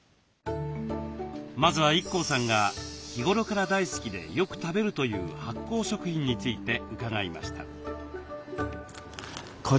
まずはＩＫＫＯさんが日頃から大好きでよく食べるという発酵食品について伺いました。